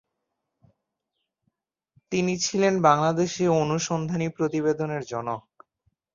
তিনি ছিলেন বাংলাদেশে অনুসন্ধানী প্রতিবেদনের জনক।